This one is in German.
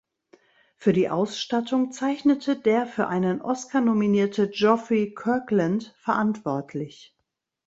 Für die Ausstattung zeichnete der für einen Oscar nominierte Geoffrey Kirkland verantwortlich.